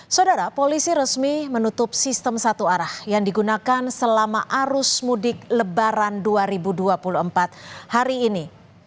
saudara polisi resmi menutup sistem satu arah yang digunakan selama arus mudik lebaran dua ribu dua puluh empat hari ini